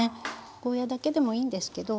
ゴーヤーだけでもいいんですけど。